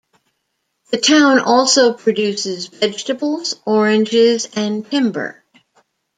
The town also produces vegetables, oranges and timber.